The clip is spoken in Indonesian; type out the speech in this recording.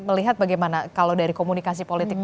prof lely melihat bagaimana kalau dari komunikasi politiknya